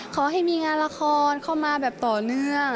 ขอให้มีงานละครเข้ามาแบบต่อเนื่อง